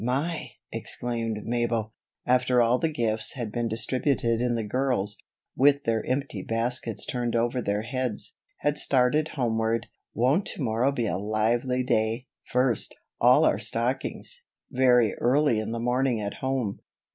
"My!" exclaimed Mabel, after all the gifts had been distributed and the girls, with their empty baskets turned over their heads, had started homeward, "won't to morrow be a lively day. First, all our stockings; very early in the morning at home.